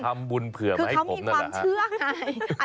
ทำบุญเผื่อไม่ให้ผมนะ